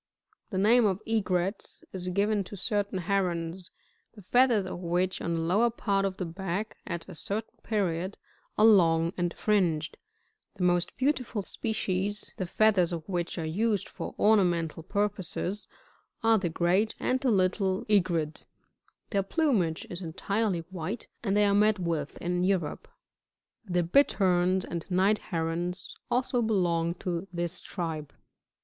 38. The name of Egrets is given to certain Herons, the feathers of which, on the lower part of the back, at a certain period, are long and fringed; the most beautiful species, the feathers of which are used for ornamental purposes, are the Great and the Little Egret ; their plumage is entirely white, and they are met with in Europe. 39. The Bitterns^ and Night Herons, also belong to this tribe.